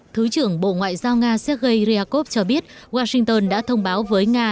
thứ trưởng bộ ngoại giao nga sergei ryakov cho biết washington đã thông báo với nga